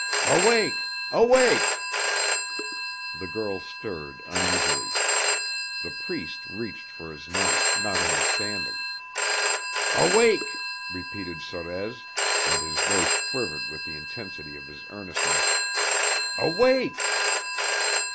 "Awake! Awake!" The girl stirred uneasily. The Priest reached for his knife, not understanding. "Awake!" repeated Sorez, and his voice quivered with the intensity of his earnestness. "Awake!"